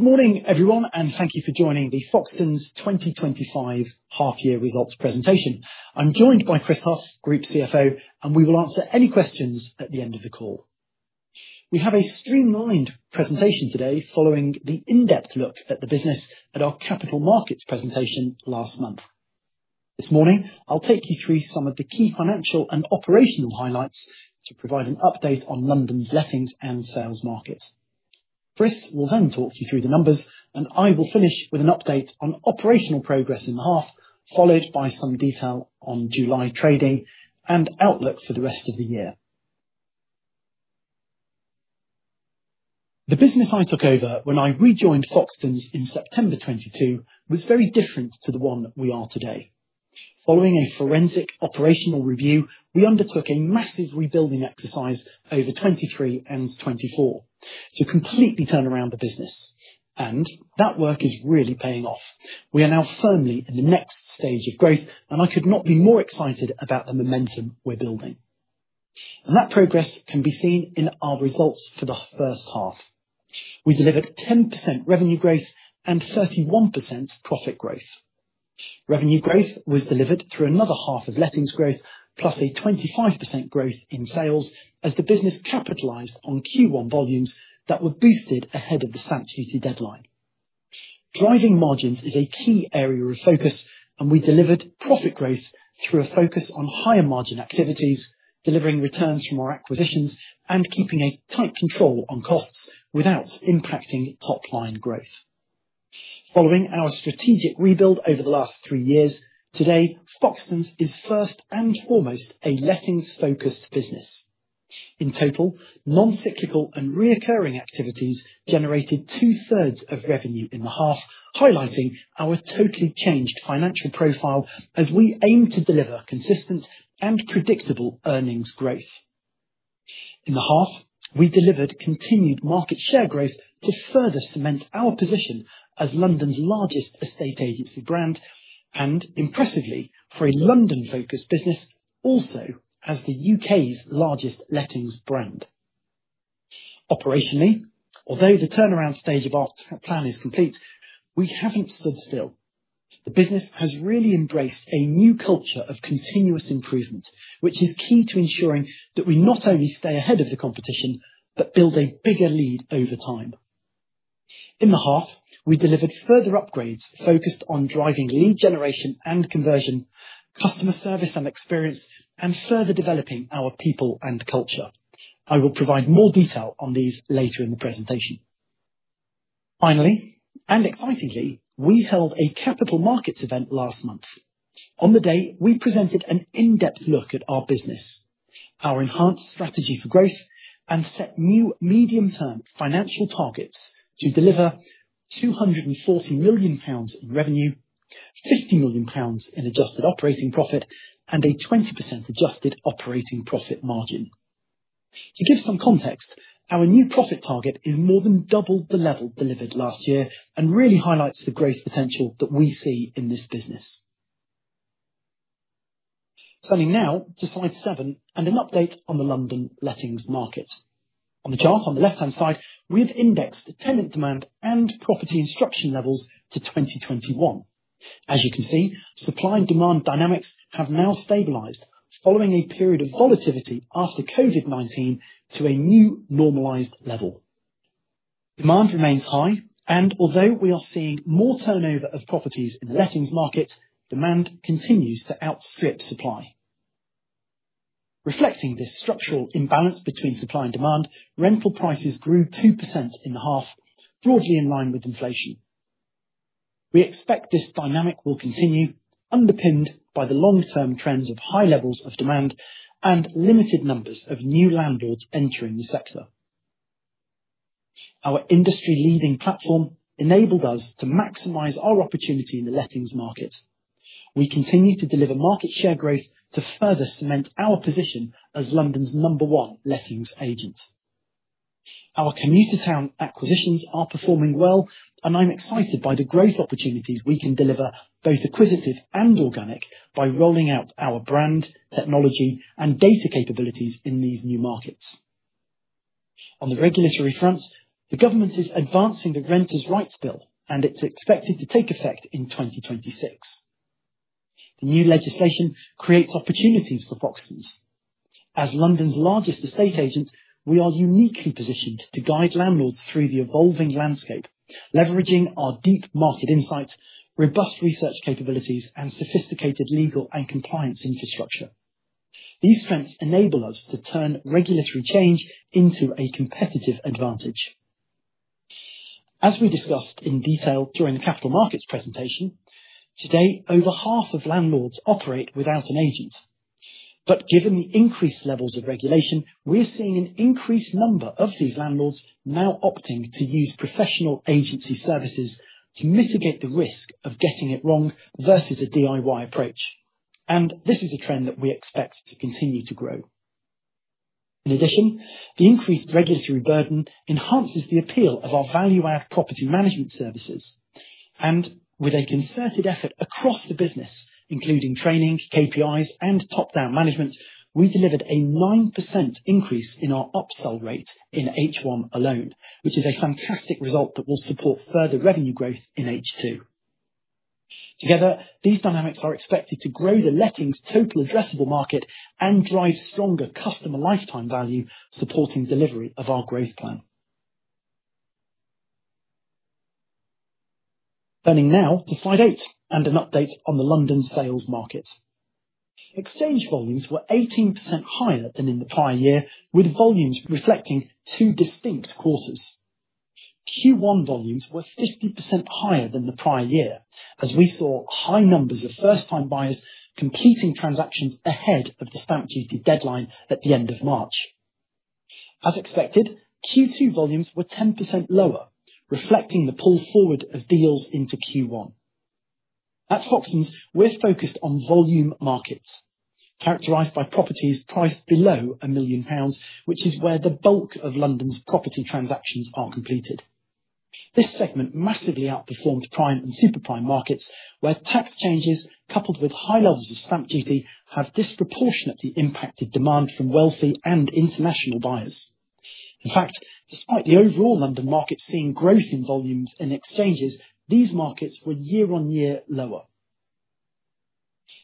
Good morning, everyone, and thank you for joining the Foxtons 2025 half-year results presentation. I'm joined by Chris Hough, Group CFO, and we will answer any questions at the end of the call. We have a streamlined presentation today following the in-depth look at the business at our Capital Markets presentation last month. This morning, I'll take you through some of the key financial and operational highlights to provide an update on London's lettings and sales market. Chris will then talk you through the numbers, and I will finish with an update on operational progress in the half, followed by some detail on July trading and outlook for the rest of the year. The business I took over when I rejoined Foxtons in September 2022 was very different to the one we are today. Following a forensic operational review, we undertook a massive rebuilding exercise over 2023 and 2024 to completely turn around the business, and that work is really paying off. We are now firmly in the next stage of growth, and I could not be more excited about the momentum we're building. That progress can be seen in our results for the first half. We delivered 10% revenue growth and 31% profit growth. Revenue growth was delivered through another half of lettings growth, +25% growth in sales as the business capitalized on Q1 volumes that were boosted ahead of the statute deadline. Driving margins is a key area of focus, and we delivered profit growth through a focus on higher margin activities, delivering returns from our acquisitions and keeping a tight control on costs without impacting top-line growth. Following our strategic rebuild over the last three years, today, Foxtons is first and foremost a lettings-focused business. In total, non-cyclical and recurring activities generated two-thirds of revenue in the half, highlighting our totally changed financial profile as we aim to deliver consistent and predictable earnings growth. In the half, we delivered continued market share growth to further cement our position as London's largest estate agency brand and, impressively, for a London-focused business, also as the U.K.'s largest lettings brand. Operationally, although the turnaround stage of our plan is complete, we haven't stood still. The business has really embraced a new culture of continuous improvement, which is key to ensuring that we not only stay ahead of the competition but build a bigger lead over time. In the half, we delivered further upgrades focused on driving lead generation and conversion, customer service and experience, and further developing our people and culture. I will provide more detail on these later in the presentation. Finally, and excitingly, we held a Capital Markets event last month. On the day, we presented an in-depth look at our business, our enhanced strategy for growth, and set new medium-term financial targets to deliver 240 million pounds in revenue, 50 million pounds in adjusted operating profit, and a 20% adjusted operating profit margin. To give some context, our new profit target is more than double the level delivered last year and really highlights the growth potential that we see in this business. Turning now to slide seven and an update on the London lettings market. On the chart on the left-hand side, we have indexed the tenant demand and property instruction levels to 2021. As you can see, supply and demand dynamics have now stabilized, following a period of volatility after COVID-19 to a new normalized level. Demand remains high, and although we are seeing more turnover of properties in the lettings market, demand continues to outstrip supply. Reflecting this structural imbalance between supply and demand, rental prices grew 2% in the half, broadly in line with inflation. We expect this dynamic will continue, underpinned by the long-term trends of high levels of demand and limited numbers of new landlords entering the sector. Our industry-leading platform enabled us to maximize our opportunity in the lettings market. We continue to deliver market share growth to further cement our position as London's number one lettings agent. Our commuter town acquisitions are performing well, and I'm excited by the growth opportunities we can deliver, both acquisitive and organic, by rolling out our brand, technology, and data capabilities in these new markets. On the regulatory front, the government is advancing the Renters’ Rights Bill, and it's expected to take effect in 2026. The new legislation creates opportunities for Foxtons. As London's largest estate agent, we are uniquely positioned to guide landlords through the evolving landscape, leveraging our deep market insights, robust research capabilities, and sophisticated legal and compliance infrastructure. These strengths enable us to turn regulatory change into a competitive advantage. As we discussed in detail during the Capital Markets presentation, today, over half of landlords operate without an agent. Given the increased levels of regulation, we're seeing an increased number of these landlords now opting to use professional agency services to mitigate the risk of getting it wrong versus a DIY approach. This is a trend that we expect to continue to grow. In addition, the increased regulatory burden enhances the appeal of our value-add property management services. With a concerted effort across the business, including trainings, KPIs, and top-down management, we delivered a 9% increase in our upsell rate in H1 alone, which is a fantastic result that will support further revenue growth in H2. Together, these dynamics are expected to grow the lettings' total addressable market and drive stronger customer lifetime value, supporting delivery of our growth plan. Turning now to slide eight and an update on the London sales market. Exchange volumes were 18% higher than in the prior year, with volumes reflecting two distinct quarters. Q1 volumes were 50% higher than the prior year, as we saw high numbers of first-time buyers completing transactions ahead of the statute deadline at the end of March. As expected, Q2 volumes were 10% lower, reflecting the pull forward of deals into Q1. At Foxtons, we're focused on volume markets, characterized by properties priced below 1 million pounds, which is where the bulk of London's property transactions are completed. This segment massively outperforms prime and superprime markets, where tax changes coupled with high levels of stamp duty have disproportionately impacted demand from wealthy and international buyers. In fact, despite the overall London market seeing growth in volumes and exchanges, these markets were year-on-year lower.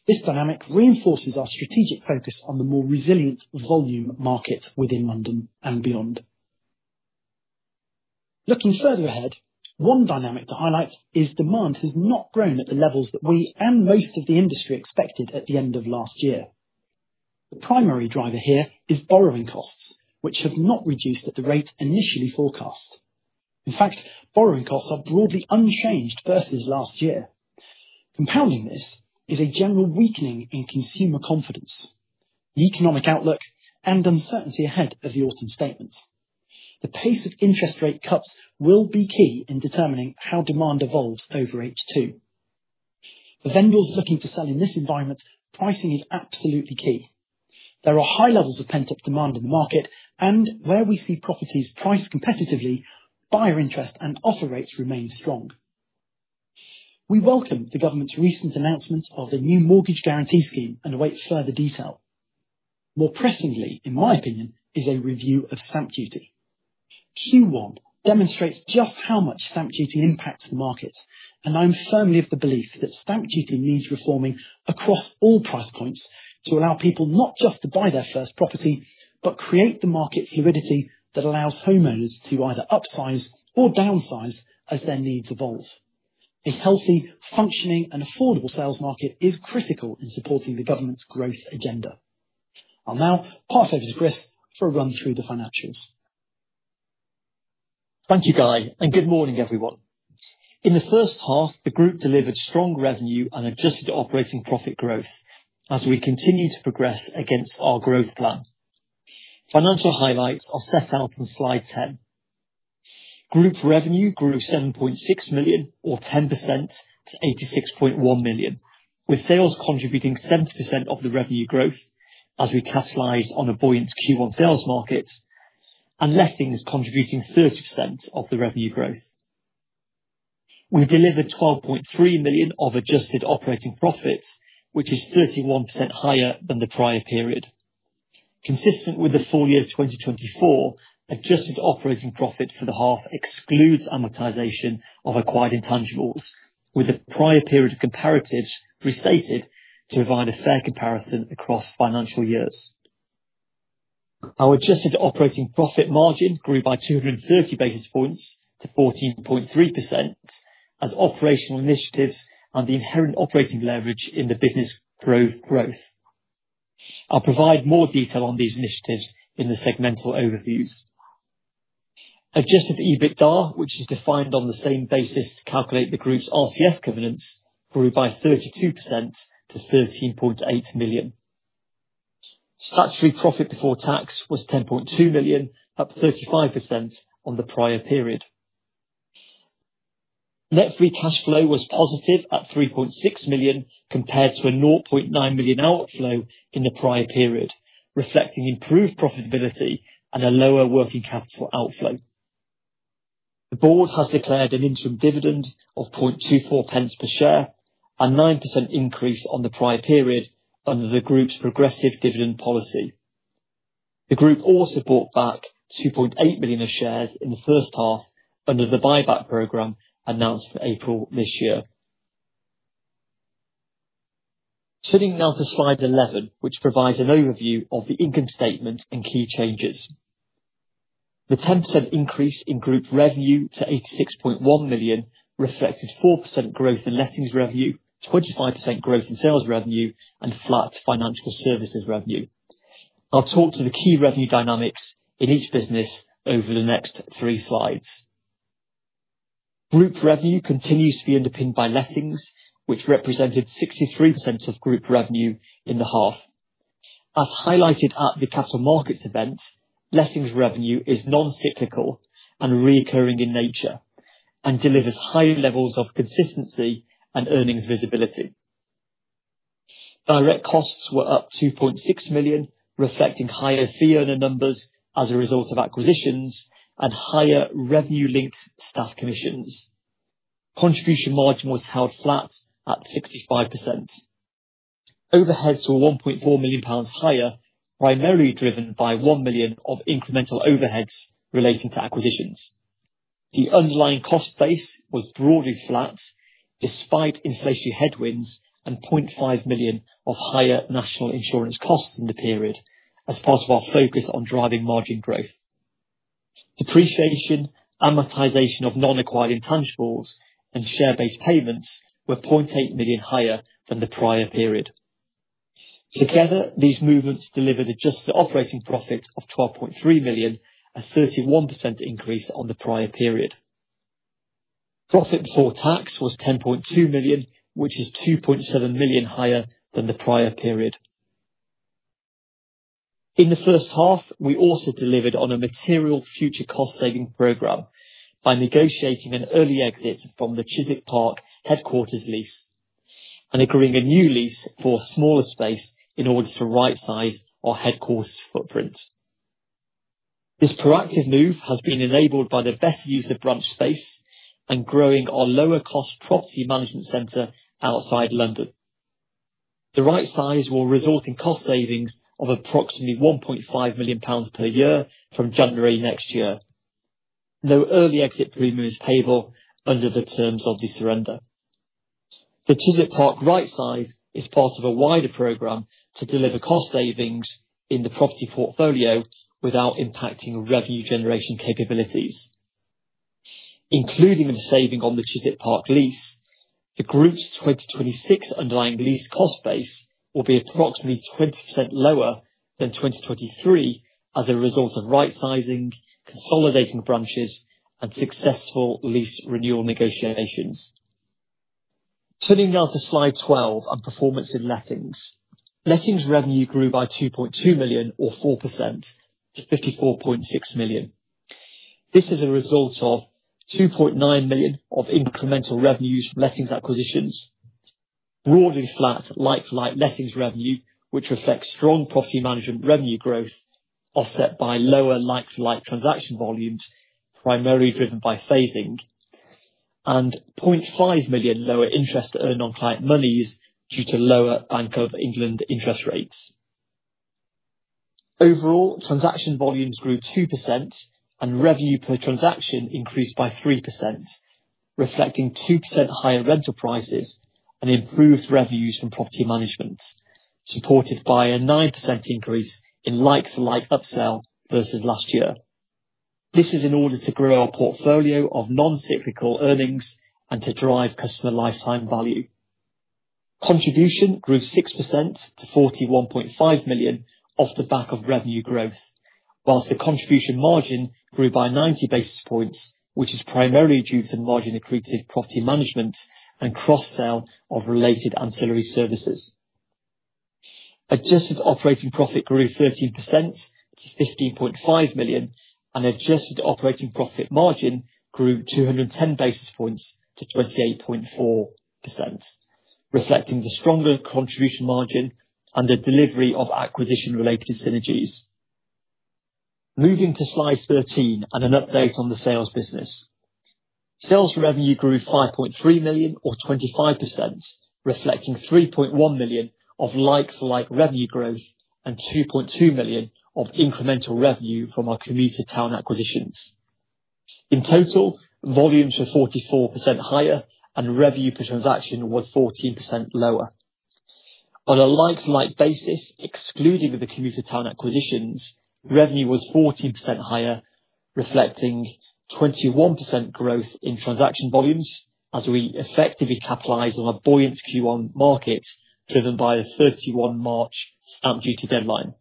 This dynamic reinforces our strategic focus on the more resilient volume market within London and beyond. Looking further ahead, one dynamic to highlight is demand has not grown at the levels that we and most of the industry expected at the end of last year. The primary driver here is borrowing costs, which have not reduced at the rate initially forecast. In fact, borrowing costs are broadly unchanged versus last year. Compounding this is a general weakening in consumer confidence, the economic outlook, and uncertainty ahead of the Autumn Statement. The pace of interest rate cuts will be key in determining how demand evolves over H2. For vendors looking to sell in this environment, pricing is absolutely key. There are high levels of pent-up demand in the market, and where we see properties priced competitively, buyer interest and offer rates remain strong. We welcome the government's recent announcement of the new mortgage guarantee scheme and await further detail. More pressingly, in my opinion, is a review of stamp duty. Q1 demonstrates just how much stamp duty impacts the market, and I'm firmly of the belief that stamp duty needs reforming across all price points to allow people not just to buy their first property but create the market's liquidity that allows homeowners to either upsize or downsize as their needs evolve. A healthy, functioning, and affordable sales market is critical in supporting the government's growth agenda. I'll now pass over to Chris Hough for a run through the financials. Thank you, Guy, and good morning, everyone. In the first half, the group delivered strong revenue and adjusted operating profit growth as we continue to progress against our growth plan. Financial highlights are set out on slide 10. Group revenue grew 7.6 million, or 10%, to 86.1 million, with Sales contributing 70% of the revenue growth as we capitalized on a buoyant Q1 Sales market, and Lettings contributing 30% of the revenue growth. We delivered 12.3 million of adjusted operating profit, which is 31% higher than the prior period. Consistent with the full year 2024, adjusted operating profit for the half excludes amortization of acquired intangibles, with the prior period comparatives restated to provide a fair comparison across financial years. Our adjusted operating profit margin grew by 230 basis points to 14.3% as operational initiatives and the inherent operating leverage in the business growth. I'll provide more detail on these initiatives in the segmental overviews. Adjusted EBITDA, which is defined on the same basis to calculate the group's RCF covenants, grew by 32% to 13.8 million. Actual profit before tax was 10.2 million, up 35% on the prior period. Net free cash flow was positive at 3.6 million compared to a 0.9 million outflow in the prior period, reflecting improved profitability and a lower working capital outflow. The board has declared an interim dividend of 0.0024 per share, a 9% increase on the prior period under the group's progressive dividend policy. The group also bought back 2.8 million of shares in the first half under the buyback program announced for April this year. Turning now to slide 11, which provides an overview of the income statement and key changes. The 10% increase in group revenue to 86.1 million reflected 4% growth in Lettings revenue, 25% growth in Sales revenue, and flat Financial Services revenue. I'll talk to the key revenue dynamics in each business over the next three slides. Group revenue continues to be underpinned by Lettings, which represented 63% of group revenue in the half. As highlighted at the Capital Markets event, Lettings revenue is non-cyclical and recurring in nature and delivers high levels of consistency and earnings visibility. Direct costs were up 2.6 million, reflecting higher fee earner numbers as a result of acquisitions and higher revenue-linked staff commissions. Contribution margin was held flat at 65%. Overheads were 1.4 million pounds higher, primarily driven by 1 million of incremental overheads relating to acquisitions. The underlying cost base was broadly flat despite inflationary headwinds and 0.5 million of higher national insurance costs in the period as part of our focus on driving margin growth. Depreciation, amortization of non-acquired intangibles, and share-based payments were 0.8 million higher than the prior period. Together, these movements delivered adjusted operating profit of 12.3 million, a 31% increase on the prior period. Profit before tax was 10.2 million, which is 2.7 million higher than the prior period. In the first half, we also delivered on a material future cost-saving program by negotiating an early exit from the Chiswick Park headquarters lease and agreeing a new lease for a smaller space in order to right-size our headquarters footprint. This proactive move has been enabled by the better use of branch space and growing our lower-cost property management center outside London. The right size will result in cost savings of approximately 1.5 million pounds per year from January next year. No early exit agreement is payable under the terms of the surrender. The Chiswick Park right size is part of a wider program to deliver cost savings in the property portfolio without impacting revenue generation capabilities. Including the saving on the Chiswick Park lease, the group's 2026 underlying lease cost base will be approximately 20% lower than 2023 as a result of right-sizing, consolidating branches, and successful lease renewal negotiations. Turning now to slide 12 and performance in lettings. Lettings revenue grew by 2.2 million, or 4%, to 54.6 million. This is a result of 2.9 million of incremental revenues from lettings acquisitions, broadly flat like-for-like lettings revenue, which reflects strong property management revenue growth offset by lower like-for-like transaction volumes, primarily driven by phasing, and 0.5 million lower interest to earn on client monies due to lower Bank of England interest rates. Overall, transaction volumes grew 2% and revenue per transaction increased by 3%, reflecting 2% higher rental prices and improved revenues from property management, supported by a 9% increase in like-for-like upsell versus last year. This is in order to grow our portfolio of non-cyclical earnings and to drive customer lifetime value. Contribution grew 6% to 41.5 million off the back of revenue growth, whilst the contribution margin grew by 90 basis points, which is primarily due to margin accretive property management and cross-sale of related ancillary services. Adjusted operating profit grew 13% to 15.5 million, and adjusted operating profit margin grew 210 basis points to 28.4%, reflecting the stronger contribution margin and the delivery of acquisition-related synergies. Moving to slide 13 and an update on the Sales business. Sales revenue grew 5.3 million, or 25%, reflecting 3.1 million of like-for-like revenue growth and 2.2 million of incremental revenue from our commuter town acquisitions. In total, volumes were 44% higher and revenue per transaction was 14% lower. On a like-for-like basis, excluding the commuter town acquisitions, revenue was 14% higher, reflecting 21% growth in transaction volumes as we effectively capitalized on a buoyant Q1 market driven by a 31 March stamp duty deadline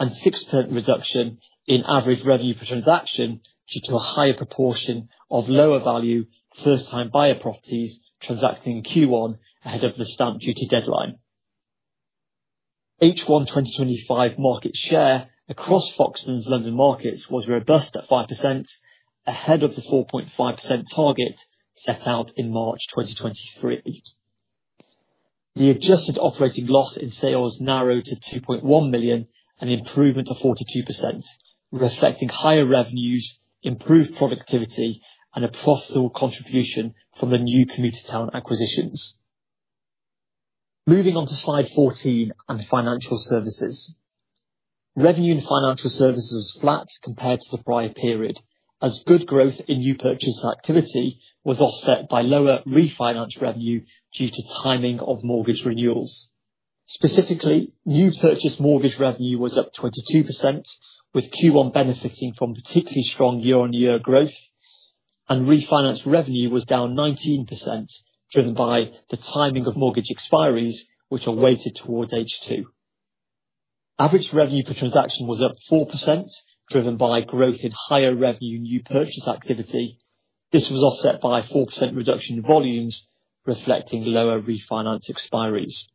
and 6% reduction in average revenue per transaction due to a higher proportion of lower-value first-time buyer properties transacting in Q1 ahead of the stamp duty deadline. H1 2025 market share across Foxtons London markets was robust at 5%, ahead of the 4.5% target set out in March 2023. The adjusted operating loss in Sales narrowed to 2.1 million and an improvement of 42%, reflecting higher revenues, improved productivity, and a profitable contribution from the new commuter town acquisitions. Moving on to slide 14 and Financial Services. Revenue in Financial Services was flat compared to the prior period as good growth in new purchase activity was offset by lower refinance revenue due to timing of mortgage renewals. Specifically, new purchase mortgage revenue was up 22%, with Q1 benefiting from particularly strong year-on-year growth, and refinance revenue was down 19%, driven by the timing of mortgage expires, which are weighted towards H2. Average revenue per transaction was up 4%, driven by growth in higher revenue new purchase activity. This was offset by a 4% reduction in volumes, reflecting lower refinance expires.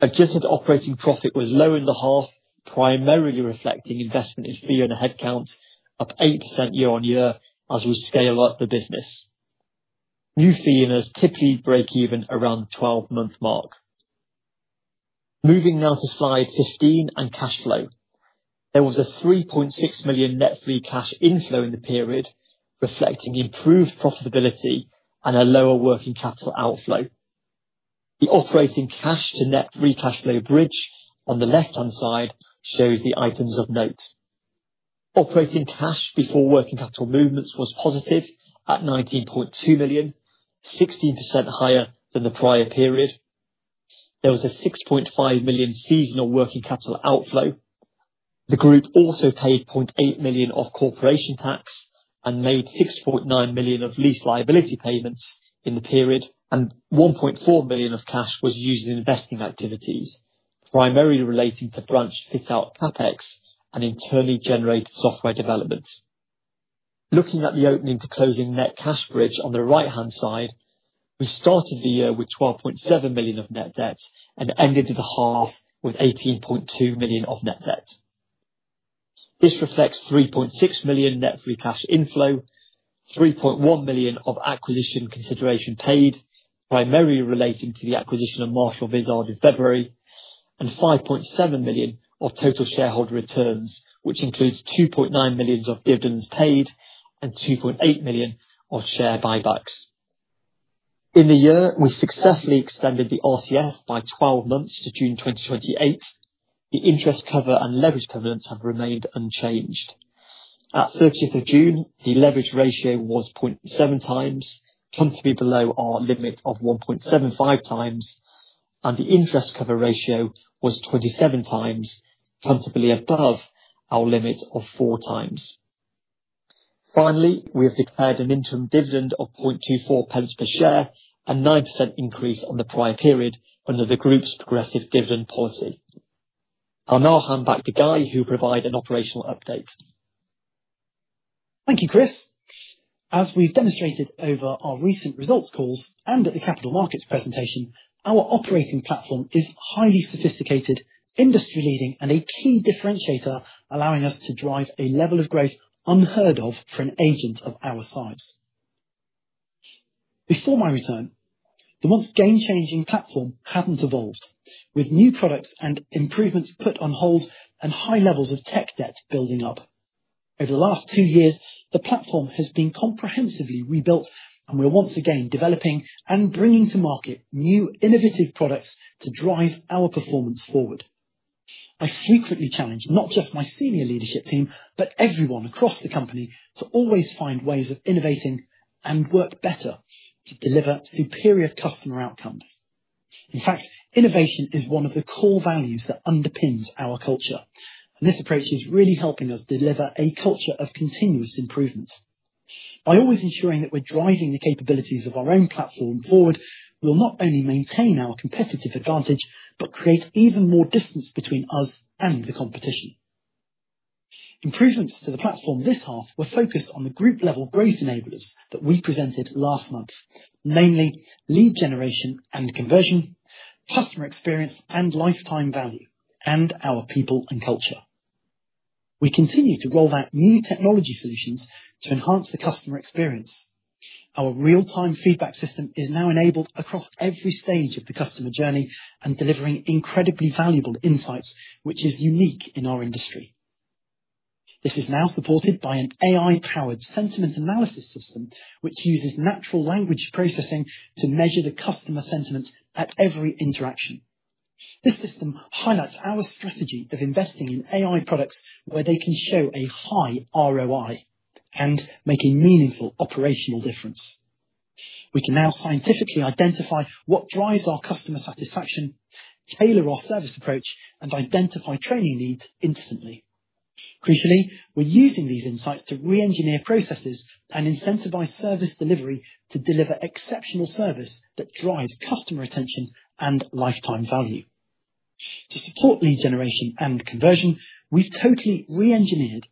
Adjusted operating profit was low in the half, primarily reflecting investment in fee earner headcount, up 8% year-on-year as we scale up the business. New fee earners typically break even around the 12-month mark. Moving now to slide 15 and cash flow. There was a 3.6 million net free cash inflow in the period, reflecting improved profitability and a lower working capital outflow. The operating cash-to-net free cash flow bridge on the left-hand side shows the items of note. Operating cash before working capital movements was positive at 19.2 million, 16% higher than the prior period. There was a 6.5 million seasonal working capital outflow. The group also paid 0.8 million of corporation tax and made 6.9 million of lease liability payments in the period, and 1.4 million of cash was used in investing activities, primarily relating to branch fit-out CapEx and internally generated software development. Looking at the opening to closing net cash bridge on the right-hand side, we started the year with 12.7 million of net debt and ended the half with 18.2 million of net debt. This reflects 3.6 million net free cash inflow, 3.1 million of acquisition consideration paid, primarily relating to the acquisition of Marshall Vizard in February, and 5.7 million of total shareholder returns, which includes 2.9 million of dividends paid and 2.8 million of share buybacks. In the year, we successfully extended the RCF by 12 months to June 2028. The interest cover and leverage covenants have remained unchanged. At 30th of June, the leverage ratio was 0.7x, comfortably below our limit of 1.75x, and the interest cover ratio was 27x, comfortably above our limit of 4x. Finally, we have declared an interim dividend of 0.24 per share, a 9% increase on the prior period under the group's progressive dividend policy. I'll now hand back to Guy, who will provide an operational update. Thank you, Chris. As we've demonstrated over our recent results calls and at the Capital Markets presentation, our operating platform is highly sophisticated, industry-leading, and a key differentiator allowing us to drive a level of growth unheard of for an agent of our size. Before my return, the once game-changing platform hadn't evolved, with new products and improvements put on hold and high levels of tech debt building up. Over the last two years, the platform has been comprehensively rebuilt, and we're once again developing and bringing to market new innovative products to drive our performance forward. I frequently challenge not just my Senior Leadership Team, but everyone across the company to always find ways of innovating and work better to deliver superior customer outcomes. In fact, innovation is one of the core values that underpins our culture, and this approach is really helping us deliver a culture of continuous improvement. By always ensuring that we're driving the capabilities of our own platform forward, we'll not only maintain our competitive advantage but create even more distance between us and the competition. Improvements to the platform this half were focused on the group-level growth enablers that we presented last month, namely lead generation and conversion, customer experience and lifetime value, and our people and culture. We continue to roll out new technology solutions to enhance the customer experience. Our real-time feedback system is now enabled across every stage of the customer journey and delivering incredibly valuable insights, which is unique in our industry. This is now supported by an AI-powered sentiment analysis system, which uses natural language processing to measure the customer sentiment at every interaction. This system highlights our strategy of investing in AI products where they can show a high ROI and make a meaningful operational difference. We can now scientifically identify what drives our customer satisfaction, tailor our service approach, and identify training needs instantly. Crucially, we're using these insights to re-engineer processes and incentivize service delivery to deliver exceptional service that drives customer retention and lifetime value. To support lead generation and conversion, we've totally re-engineered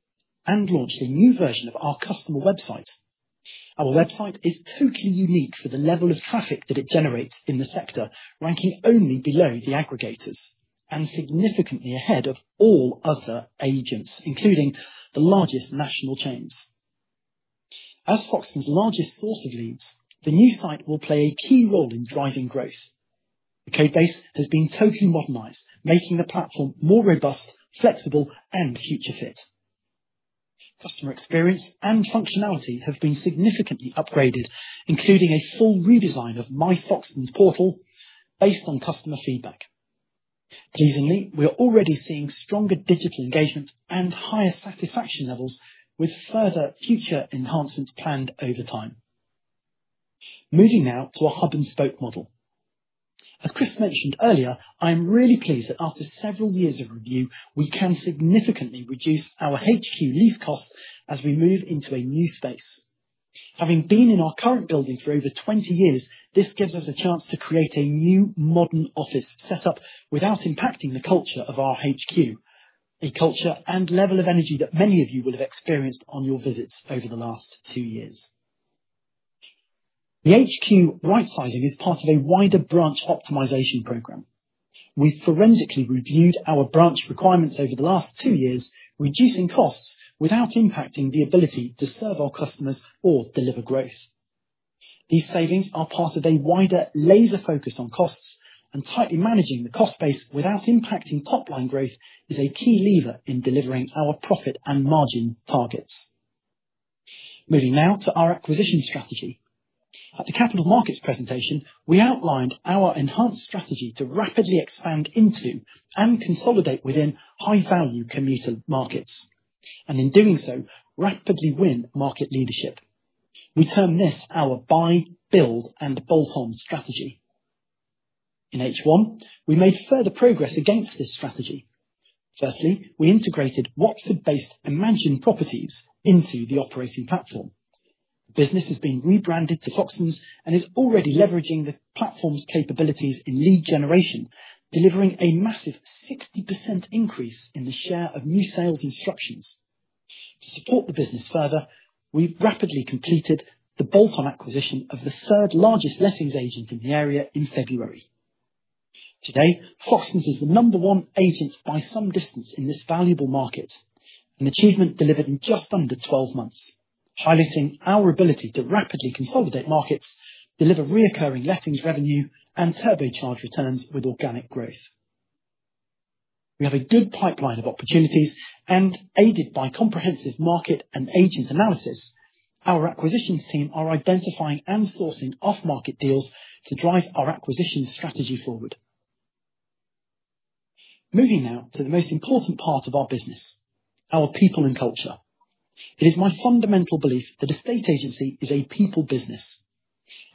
and launched a new version of our customer website. Our website is totally unique for the level of traffic that it generates in the sector, ranking only below the aggregators and significantly ahead of all other agents, including the largest national chains. As Foxtons' largest source of lead, the new site will play a key role in driving growth. The codebase has been totally modernized, making the platform more robust, flexible, and future-fit. Customer experience and functionality have been significantly upgraded, including a full redesign of My Foxtons portal based on customer feedback. Pleasingly, we're already seeing stronger digital engagement and higher satisfaction levels, with further future enhancements planned over time. Moving now to a hub and spoke model. As Chris Hough mentioned earlier, I'm really pleased that after several years of review, we can significantly reduce our HQ lease cost as we move into a new space. Having been in our current building for over 20 years, this gives us a chance to create a new modern office setup without impacting the culture of our HQ, a culture and level of energy that many of you will have experienced on your visits over the last two years. The HQ right-sizing is part of a wider branch optimization program. We've forensically reviewed our branch requirements over the last two years, reducing costs without impacting the ability to serve our customers or deliver growth. These savings are part of a wider labor focus on costs, and tightly managing the cost base without impacting top-line growth is a key lever in delivering our profit and margin targets. Moving now to our acquisition strategy. At the Capital Markets presentation, we outlined our enhanced strategy to rapidly expand into and consolidate within high-value commuter markets, and in doing so, rapidly win market leadership. We term this our buy, build, and bolt-on strategy. In H1, we made further progress against this strategy. Firstly, we integrated Watford-based Imagine Properties into the operating platform. The business has been rebranded to Foxtons and is already leveraging the platform's capabilities in lead generation, delivering a massive 60% increase in the share of new sales instructions. To support the business further, we've rapidly completed the bolt-on acquisition of the third largest lettings agent in the area in February. Today, Foxtons is the number one agent by some distance in this valuable market, an achievement delivered in just under 12 months, highlighting our ability to rapidly consolidate markets, deliver recurring lettings revenue, and turbocharge returns with organic growth. We have a good pipeline of opportunities, and aided by comprehensive market and agent analysis, our acquisitions team are identifying and forcing off-market deals to drive our acquisition strategy forward. Moving now to the most important part of our business, our people and culture. It is my fundamental belief that the estate agency is a people business.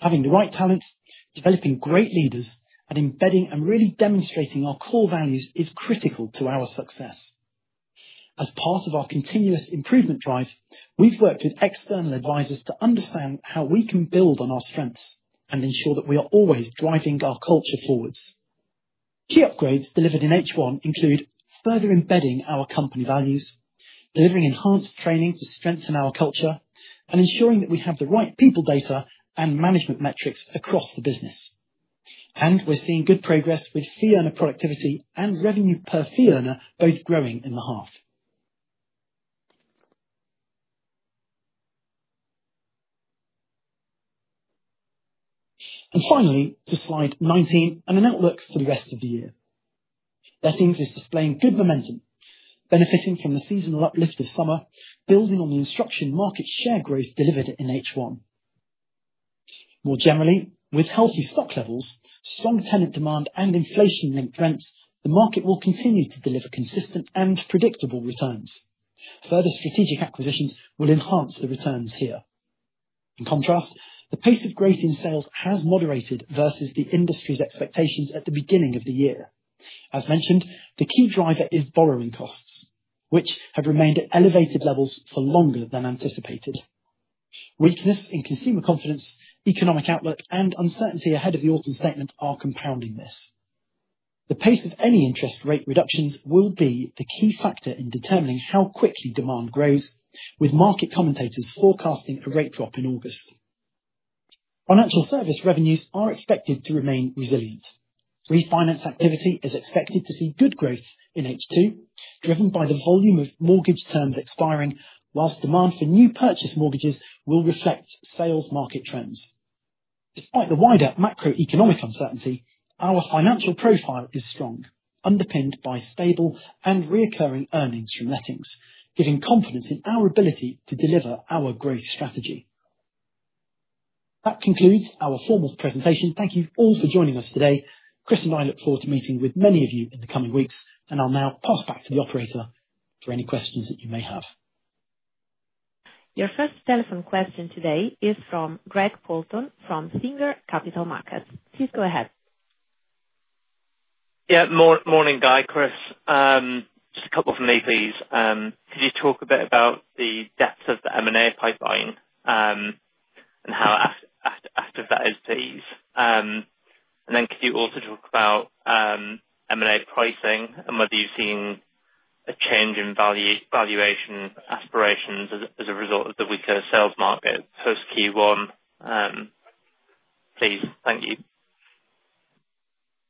Having the right talents, developing great leaders, and embedding and really demonstrating our core values is critical to our success. As part of our continuous improvement drive, we've worked with external advisors to understand how we can build on our strengths and ensure that we are always driving our culture forwards. Key upgrades delivered in H1 include further embedding our company values, delivering enhanced training to strengthen our culture, and ensuring that we have the right people data and management metrics across the business. We are seeing good progress with fee earner productivity and revenue per fee earner, both growing in the half. Finally, to slide 19 and an outlook for the rest of the year. Lettings is displaying good momentum, benefiting from the seasonal uplift of summer, building on the instruction market share growth delivered in H1. More generally, with healthy stock levels, strong tenant demand, and inflation imprint, the market will continue to deliver consistent and predictable returns. Further strategic acquisitions will enhance the returns here. In contrast, the pace of growth in Sales has moderated versus the industry's expectations at the beginning of the year. As mentioned, the key driver is borrowing costs, which have remained at elevated levels for longer than anticipated. Weakness in consumer confidence, economic outlook, and uncertainty ahead of the autumn statement are compounding this. The pace of any interest rate reductions will be the key factor in determining how quickly demand grows, with market commentators forecasting a rate drop in August. Financial Services revenues are expected to remain resilient. Refinance activity is expected to see good growth in H2, driven by the volume of mortgage terms expiring, whilst demand for new purchase mortgages will reflect Sales market trends. Despite the wider macroeconomic uncertainty, our financial profile is strong, underpinned by stable and recurring earnings from lettings, giving confidence in our ability to deliver our growth strategy. That concludes our formal presentation. Thank you all for joining us today. Chris and I look forward to meeting with many of you in the coming weeks, and I'll now pass back to the operator for any questions that you may have. Your first telephone question today is from Greg Poulton from Singer Capital Markets. Please go ahead. Yeah, morning, Guy, Chris. Just a couple from the APs. Could you talk a bit about the depth of the M&A pipeline, and how active that is, please? Could you also talk about M&A pricing and whether you've seen a change in valuation aspirations as a result of the weaker sales market post Q1? Please, thank you.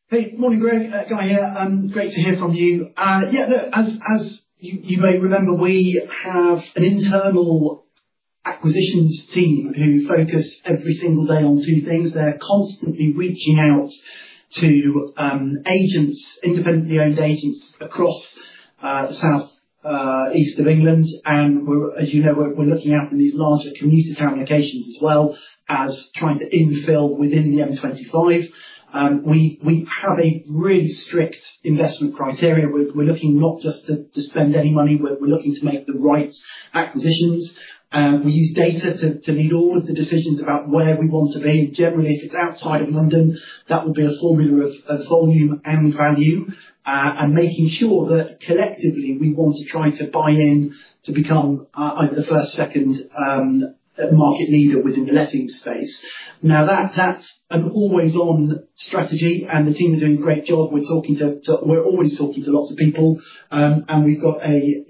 Hey, morning, Greg. Guy here. Great to hear from you. As you may remember, we have an internal acquisitions team who focus every single day on two things. They're constantly reaching out to independently owned agents across the south-east of England. We're, as you know, looking out for these larger commuter town locations, as well as trying to infill within the M25. We have a really strict investment criteria. We're looking not just to spend any money. We're looking to make the right acquisitions. We use data to lead all of the decisions about where we want to be. Generally, if it's outside of London, that would be a formula of volume and value, and making sure that collectively we want to try to buy in to become, over the first second, a market leader within the lettings space. That's an always-on strategy, and the team is doing a great job. We're always talking to lots of people, and we've got a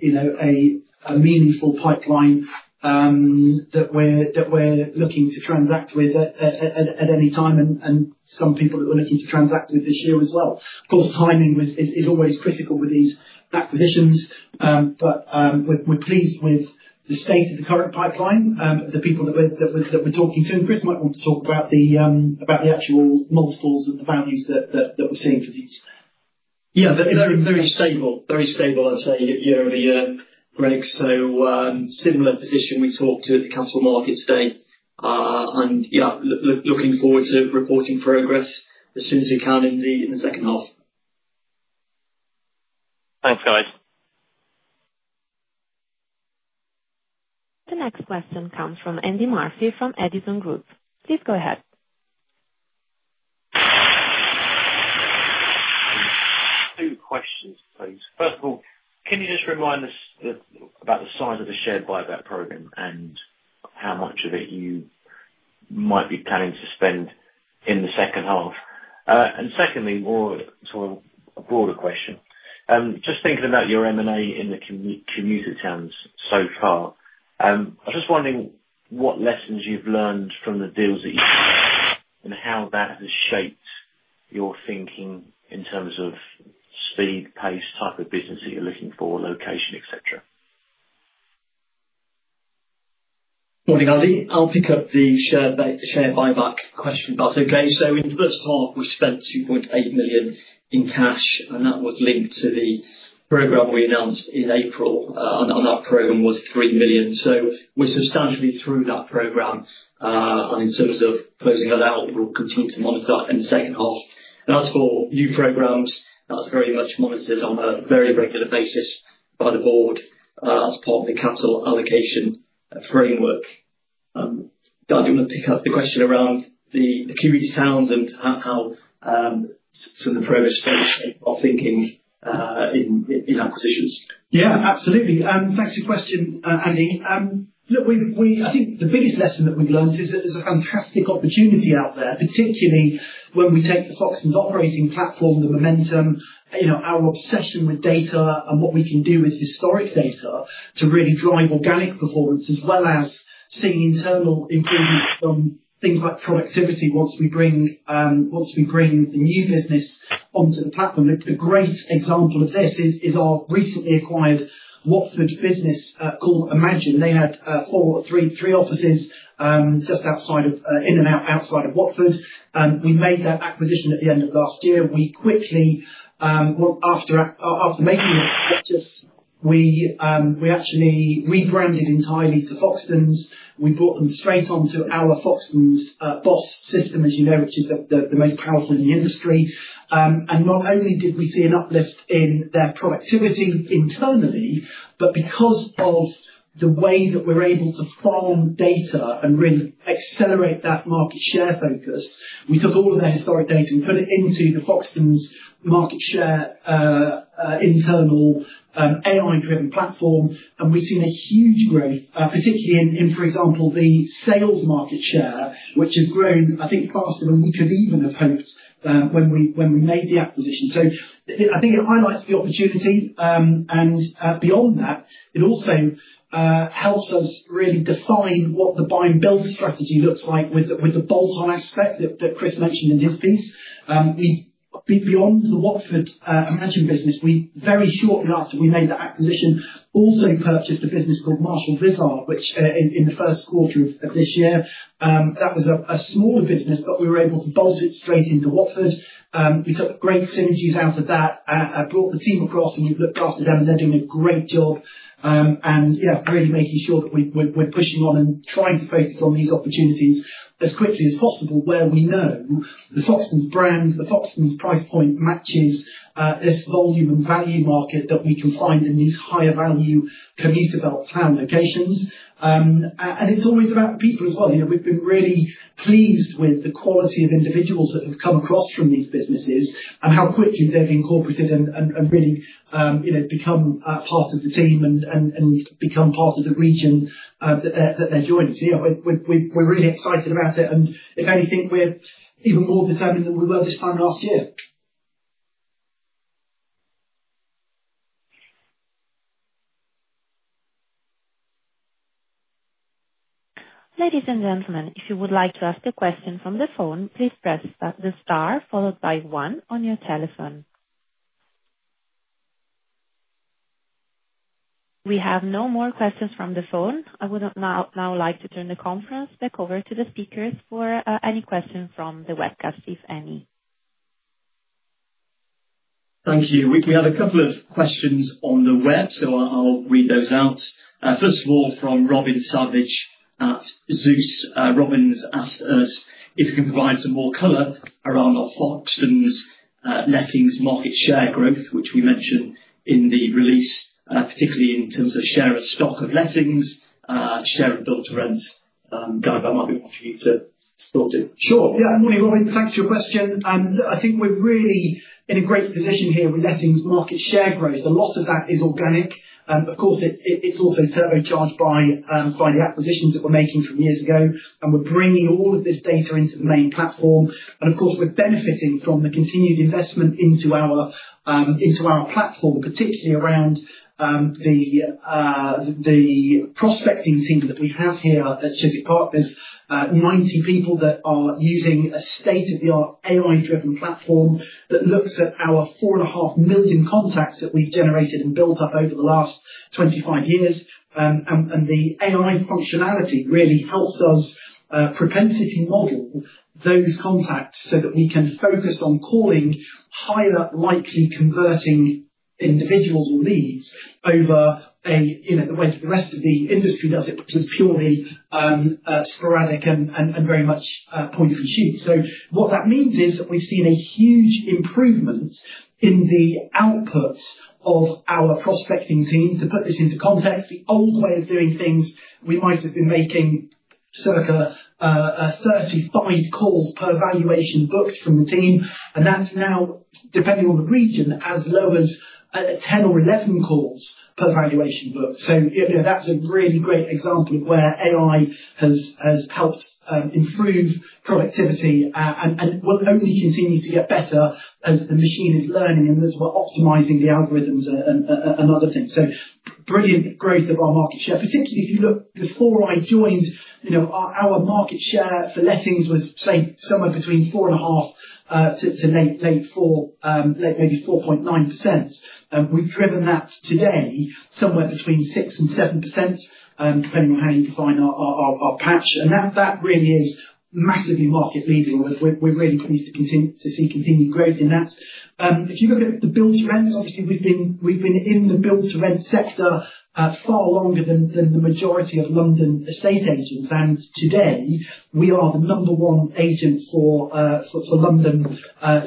meaningful pipeline that we're looking to transact with at any time, and some people that we're looking to transact with this year as well. Of course, timing is always critical with these acquisitions, but we're pleased with the state of the current pipeline. The people that we're talking to, and Chris might want to talk about the actual north poles of the values that we're seeing for these. They're very stable. Very stable, I'd say, year over year, Greg. Similar position we talked to at the Capital Markets today. Looking forward to reporting progress as soon as we can in the second half. Thanks, guys. The next question comes from Andy Murphy from Edison Group. Please go ahead. Two questions, please. First of all, can you just remind us about the size of the share buyback program and how much of it you might be planning to spend in the second half? Secondly, more to a broader question. Just thinking about your M&A in the commuter towns so far, I'm just wondering what lessons you've learned from the deals that you've done and how that has shaped your thinking in terms of the pace, type of business that you're looking for, location, etc. Morning, Andy. I'll pick up the share buyback question if that's okay. In the first half, we spent 2.8 million in cash, and that was linked to the program we announced in April, and that program was 3 million. We're substantially through that program. In terms of closing that out, we'll continue to monitor that in the second half. As for new programs, that's very much monitored on a very regular basis by the board as part of the capital allocation framework. I'm going to pick up the question around the commuter towns and how some of the progress feeds, I'm thinking, in acquisitions. Yeah, absolutely. Thanks for your question, Andy. Look, we think the biggest lesson that we've learned is that there's a fantastic opportunity out there, particularly when we take the Foxtons operating platform, the momentum, our obsession with data, and what we can do with historic data to really drive organic performance, as well as seeing internal improvements from things like productivity once we bring the new business onto the platform. A great example of this is our recently acquired Watford business called Imagine. They had three or four offices in and outside of Watford. We made that acquisition at the end of last year. Quickly after making this, we actually rebranded entirely to Foxtons. We brought them straight onto our Foxtons BOSS system, as you know, which is the most powerful in the industry. Not only did we see an uplift in their productivity internally, but because of the way that we're able to farm data and really accelerate that market share focus, we took all of that historic data and put it into the Foxtons market share internal AI-driven platform. We've seen a huge growth, particularly in, for example, the sales market share, which has grown, I think, faster than we could even have hoped when we made the acquisition. I think it highlights the opportunity, and beyond that, it also helps us really define what the buy and build strategy looks like with the bolt-on, as Chris mentioned in his piece. Beyond the Watford Imagine business, very shortly after we made the acquisition, we also purchased a business called Marshall Vizard, which in the first quarter of this year, that was a smaller business, but we were able to bolt it straight into Watford. We took great synergies out of that, brought the team across, and we've looked after them, and they're doing a great job, really making sure that we're pushing on and trying to focus on these opportunities as quickly as possible where we know the Foxtons brand, the Foxtons price point matches this volume and value market that we can find in these higher-value commuter belt town locations. It's always about people as well. We've been really pleased with the quality of individuals that have come across from these businesses and how quickly they've incorporated and really become part of the team and become part of the region that they're joining. We're really excited about it. If anything, we're even more profound than we were this time last year. Ladies and gentlemen, if you would like to ask a question from the phone, please press the star followed by one on your telephone. We have no more questions from the phone. I would now like to turn the conference back over to the speakers for any questions from the webcast, if any. Thank you. We have a couple of questions on the web, so I'll read those out. First of all, from Robin Savage at Zeus, Robin's asked us if you can provide some more color around our Foxtons lettings market share growth, which we mentioned in the release, particularly in terms of share of stock of lettings, share of total rents. Guy, that might be for you to sort it. Sure. Yeah, and morning, Robin. Thanks for your question. I think we're really in a great position here with lettings market share growth. A lot of that is organic. Of course, it's also turbocharged by the acquisitions that we're making from years ago, and we're bringing all of this data into the main platform. Of course, we're benefiting from the continued investment into our platform, particularly around the prospecting team that we have here at Chiswick Park, 90 people that are using a state-of-the-art AI-driven platform that looks at our 4.5 million contacts that we generated and built up over the last 25 years. The AI functionality really helps us propensity model those contacts so that we can focus on calling higher likely converting individuals and leads over the way that the rest of the industry does it, which is purely sporadic and very much a poison sheet. What that means is that we've seen a huge improvement in the outputs of our prospecting team. To put this into context, the old way of doing things, we might have been making circa 35 calls per valuation book from the team, and that's now, depending on the region, as low as 10 or 11 calls per valuation book. That's a really great example of where AI has helped improve productivity. One of the only things that needs to get better as a machine is learning, and as we're optimizing the algorithms and other things. Brilliant growth of our market share, particularly if you look before I joined, you know our market share for lettings was, say, somewhere between 4.5% to maybe 4.9%. We've driven that today somewhere between 6% and 7%, depending on how you define our perception. That really is massively market leading. We're really pleased to see continued growth in that. If you look at the Built-to-Rent, obviously, we've been in the Built-to-Rent sector far longer than the majority of London estate agents. Today, we are the number one agent for London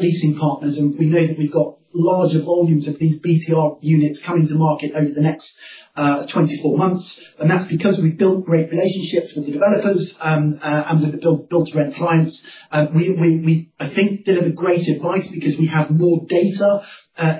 leasing partners. We know that we've got larger volumes of these BTR units coming to market over the next 24 months. That's because we've built great relationships with the developers and with the Built-to-Rent clients. I think we deliver great advice because we have more data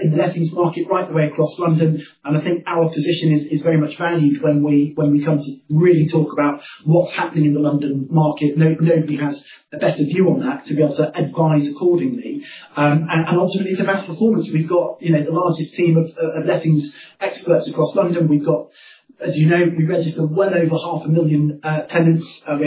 in the lettings market right the way across London. I think our position is very much valued when we come to really talk about what's happening in the London market. Nobody has a better view on that to be able to advise accordingly. Ultimately, the best performance. We've got the largest team of lettings experts across London. We've got, as you know, we register well over half a million tenants, over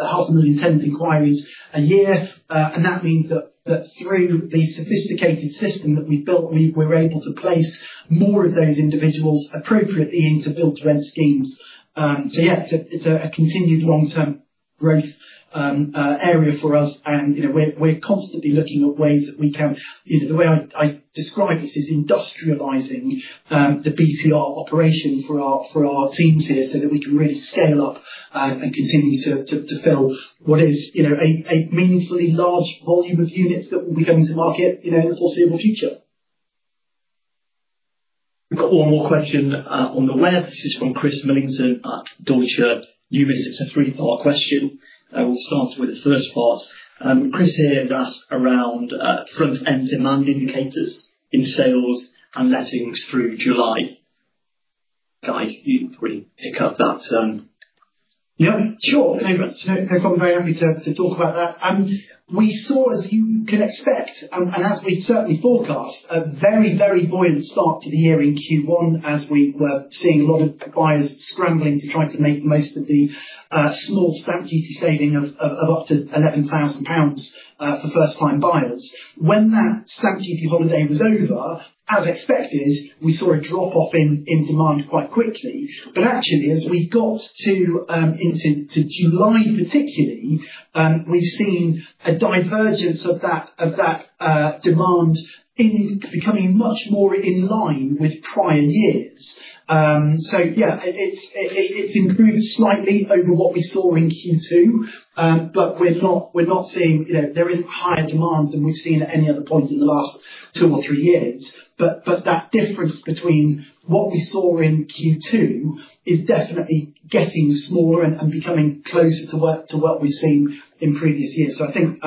half a million tenant inquiries a year. That means that through the sophisticated system that we've built, we're able to place more of those individuals appropriately into Built-to-Rent schemes. It's a continued long-term growth area for us. We're constantly looking at ways that we can, the way I describe this is industrializing the BTR operation for our teams here so that we can really scale up and continue to fill what is a meaningfully large volume of units that will be coming to market in the foreseeable future. We've got one more question on the web. This is from Chris Millington at Deutsche Numis. It's a three-part question. We'll start with the first part. Chris here asked around front-end demand indicators in Sales and Lettings through July. Guys, you can pick up that. Yeah, sure. Okay, I'm very happy to talk about that. We saw, as you can expect and as is certainly forecast, a very, very buoyant start to the year in Q1, as we were seeing a lot of buyers scrambling to try to make the most of the small stamp duty saving of up to 11,000 pounds for first-time buyers. When that stamp duty holiday was over, as expected, we saw a drop-off in demand quite quickly. Actually, as we got to July particularly, we've seen a divergence of that demand becoming much more in line with prior years. It's improved slightly over what we saw in Q2, but we're not seeing higher demand than we've seen at any other point in the last two or three years. That difference between what we saw in Q2 is definitely getting smaller and becoming closer to what we've seen in previous years. I think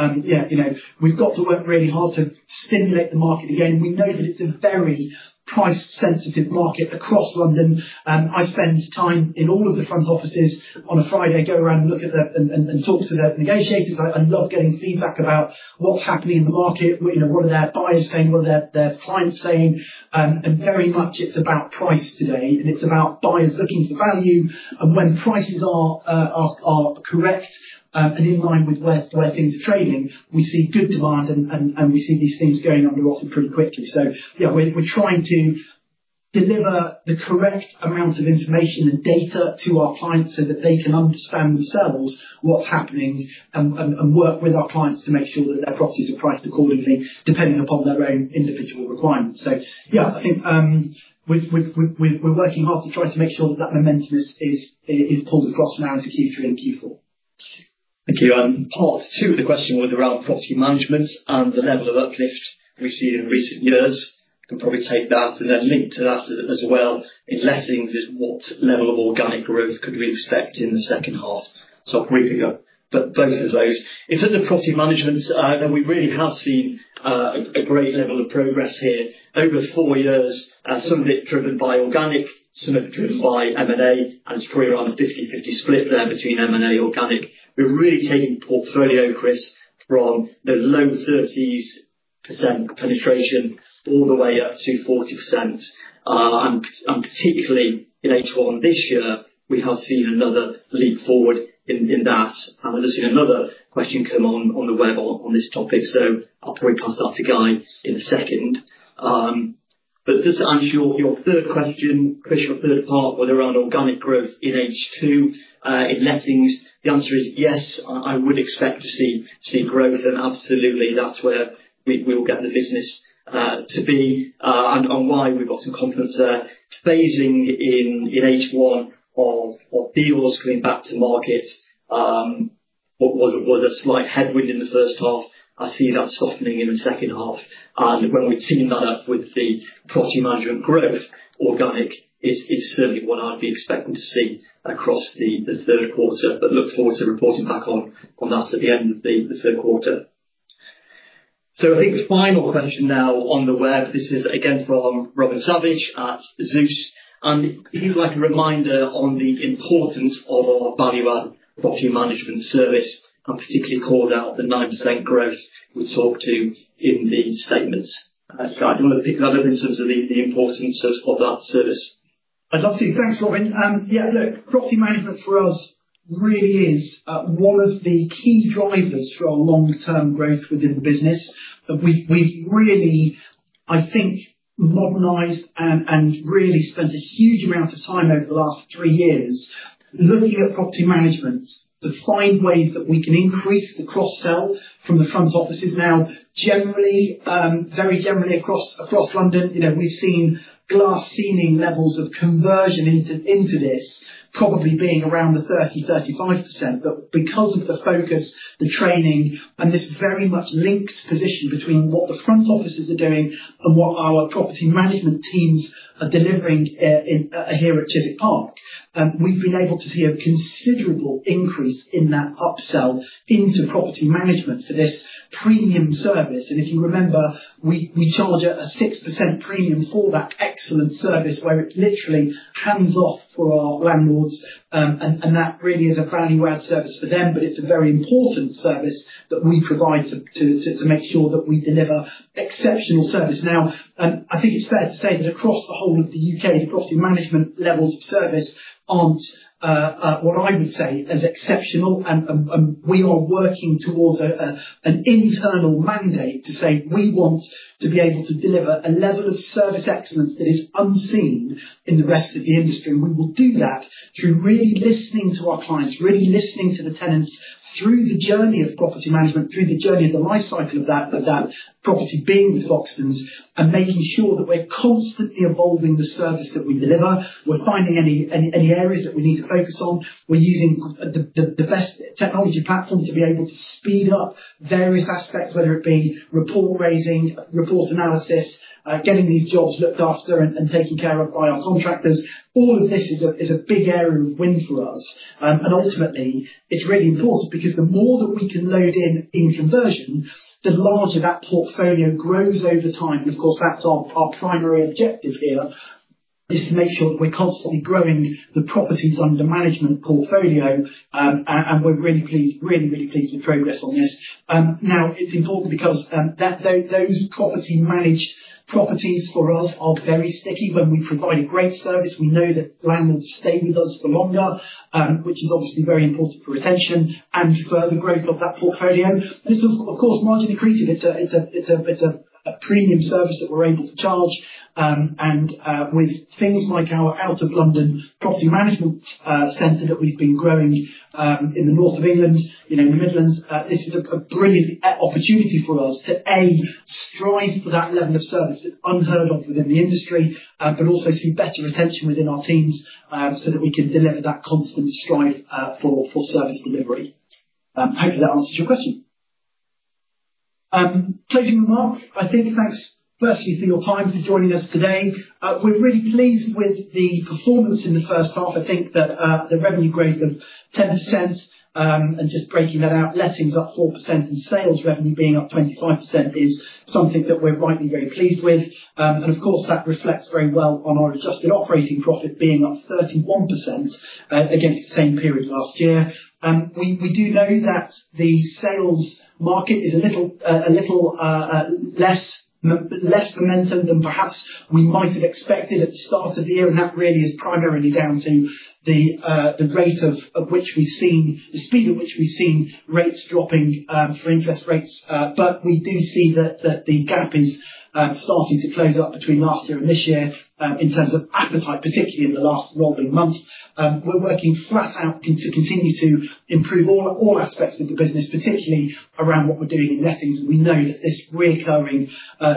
we've got to work really hard to stimulate the market again. We know that it's a very price-sensitive market across London. I spend time in all of the front offices on a Friday, go around and look at and talk to the negotiators. I love getting feedback about what's happening in the market. What are their buyers saying? What are their clients saying? Very much, it's about price today, and it's about buyers looking to value. When prices are correct and in line with where things are trading, we see good demand, and we see these things going on pretty quickly. We're trying to deliver the correct amount of information and data to our clients so that they can understand themselves what's happening and work with our clients to make sure that their properties are priced accordingly, depending upon their own individual requirements. I think we're working hard to try to make sure that momentum is pulled across now to Q3 and Q4. Thank you. Part two of the question was around property management and the level of uplift we've seen in recent years. We can probably take that and then link to that as well in lettings, is what level of organic growth could we expect in the second half? I'll briefly go through both of those. In the property management, we really have seen a great level of progress here over four years, some of it driven by organic, some of it driven by M&A, and it's probably around a 50/50 split there between M&A and organic. We're really taking portfolio, Chris, from low 30% penetration all the way up to 40%. Typically, in H1 this year, we have seen another leap forward in that. I've just seen another question come on the web on this topic. I'll probably pass that to Guy in a second. Just to answer your third question, Chris, your third part, whether around organic growth in H2 in lettings, the answer is yes, I would expect to see growth. Absolutely, that's where we will get the business to be and why we've got some confidence there. Phasing in H1 of deals coming back to market, what was a slight headwind in the first half, I see that softening in the second half. When we've seen that up with the property management growth, organic is certainly what I'd be expecting to see across the third quarter. I look forward to reporting back on that at the end of the third quarter. The final question now on the web, this is again from Robin Savage at Zeus. If you'd like a reminder on the importance of our value-added property management service, and particularly called out the 9% growth we talked to in the statements. I just want to pick that up in terms of the importance of that service. I'd love to. Thanks, Robin. Yeah, look, property management for us really is one of the key drivers for our long-term growth within the business. We've really, I think, modernized and really spent a huge amount of time over the last three years looking at property management to find ways that we can increase the cross-sell from the front offices. Now, generally, very generally across London, we've seen glass-ceiling levels of conversion into this probably being around the 30%, 35%. Because of the focus, the training, and this very much linked position between what the front offices are doing and what our property management teams are delivering here at Chiswick Park, we've been able to see a considerable increase in that upsell into property management for this premium service. If you remember, we charge a 6% premium for that excellent service where it's literally hands-off for our landlords. That really is a proudly word service for them, but it's a very important service that we provide to make sure that we deliver exceptional service. I think it's fair to say that across the whole of the UK, the property management levels of service aren't what I would say is exceptional. We are working towards an internal mandate to say we want to be able to deliver a level of service excellence that is unseen in the rest of the industry. We will do that through really listening to our clients, really listening to the tenants through the journey of property management, through the journey of the lifecycle of that property being with Foxtons, and making sure that we're constantly evolving the service that we deliver. We're finding any areas that we need to focus on. We're using the best technology platform to be able to speed up various aspects, whether it be report raising, report analysis, getting these jobs looked after and taken care of by our contractors. All of this is a big area of wins for us. Ultimately, it's really important because the more that we can load in in conversion, the larger that portfolio grows over time. Of course, that's our primary objective here is to make sure that we're constantly growing the properties under management portfolio. We're really pleased, really, really pleased with progress on this. It's important because those property-managed properties for us are very sticky when we provide a great service. We know that landlords stay with us for longer, which is obviously very important for retention and further growth of that portfolio. This is, of course, margin accretive. It's a premium service that we're able to charge. With things like our Out of London Property Management Center that we've been growing in the north of England, in the Midlands, this is a brilliant opportunity for us to, A, thrive for that level of service unheard of within the industry, but also see better retention within our teams so that we can deliver that constant strife for service delivery. Hopefully, that answers your question. Closing remarks, I think thanks firstly for your time for joining us today. We're really pleased with the performance in the first half. I think that the revenue growth of 10%, and just breaking that out, lettings up 4% and sales revenue being up 25% is something that we're rightly very pleased with. That reflects very well on our adjusted operating profit being up 31% against the same period last year. We do know that the sales market has a little less momentum than perhaps we might have expected at the start of the year and that really is primarily down to the rate at which we've seen the speed at which we've seen rates dropping for interest rates. We do see that the gap is starting to close up between last year and this year in terms of aggregate, particularly in the last rolling month. We're working flat out to continue to improve all aspects of the business, particularly around what we're doing in lettings. We know that this recurring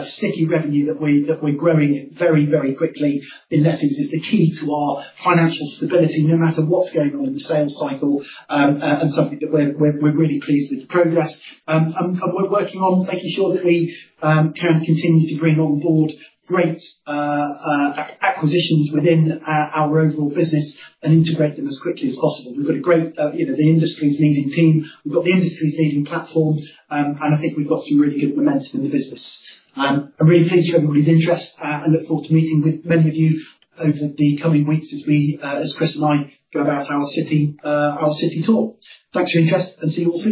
sticky revenue that we're growing very, very quickly in lettings is the key to our financial stability, no matter what's going on in the sales cycle. Something that we're really pleased with is progress. We're working on making sure that we can continue to bring on board great acquisitions within our overall business and integrate them as quickly as possible. We've got a great, you know, the industry's leading team. We've got the industry's leading platform. I think we've got some really good momentum in the business. I'm really pleased with everybody's interest. I look forward to meeting with many of you over the coming weeks as Chris and I go about our city talk. Thanks for your interest and see you all soon.